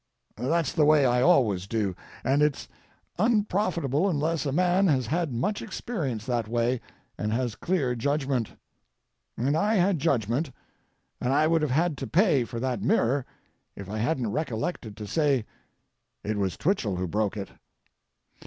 That's the way I always do, and it's unprofitable unless a man has had much experience that way and has clear judgment. And I had judgment, and I would have had to pay for that mirror if I hadn't recollected to say it was Twichell who broke it.